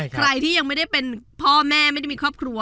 ใครที่ยังไม่ได้เป็นพ่อแม่ไม่ได้มีครอบครัว